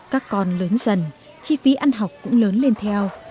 các con lớn dần chi phí ăn học cũng lớn lên theo